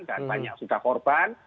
dan banyak sudah korban